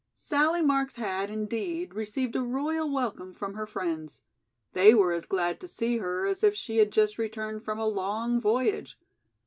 Sallie Marks had, indeed, received a royal welcome from her friends. They were as glad to see her as if she had just returned from a long voyage.